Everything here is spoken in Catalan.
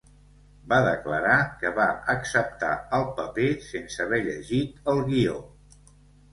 Va declarar que va acceptar el paper sense haver llegit el guió.